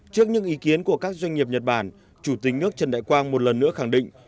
trước những ý kiến của các doanh nghiệp nhật bản chủ tịch nước trần đại quang một lần nữa khẳng định